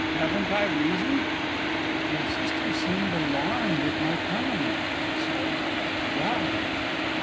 Haven't I reason?" "Your sisters seemed alarmed at my coming," she said. "Why?"